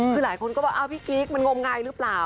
คือหลายคนก็บอกอ้าวพี่กิ๊กมันงมงายหรือเปล่า